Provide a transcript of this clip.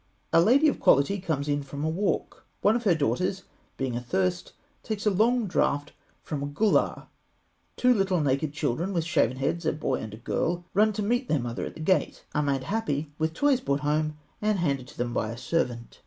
A lady of quality comes in from a walk (fig. 168). One of her daughters, being athirst, takes a long draught from a "gûllah"; two little naked children with shaven heads, a boy and a girl, who ran to meet their mother at the gate, are made happy with toys brought home and handed to them by a servant.